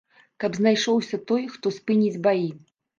Каб знайшоўся той, хто спыніць баі.